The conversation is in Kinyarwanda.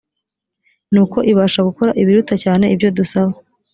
nuko ibasha gukora ibiruta cyane ibyo dusaba